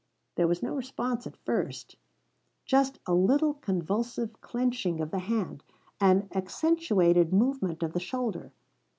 There was no response at first, just a little convulsive clenching of the hand, an accentuated movement of the shoulder.